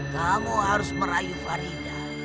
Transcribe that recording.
kamu harus merayu farida